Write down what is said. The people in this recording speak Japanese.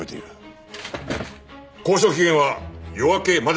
交渉期限は夜明けまでだ。